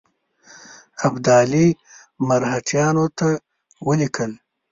ابدالي مرهټیانو ته ولیکل.